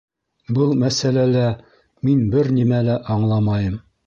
Был мәсьәләлә мин бер нимә лә аңламайым